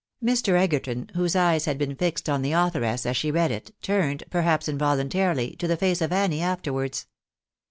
Mr. Egerton, whose eyes had been iixed on the authoress as she read it, turned, perhaps involuntarily, to the face of Annie after wards.